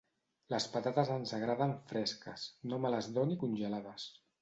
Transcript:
Les patates ens agraden fresques; no me les doni congelades.